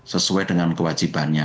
sesuai dengan kewajibannya